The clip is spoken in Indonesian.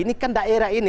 ini kan daerah ini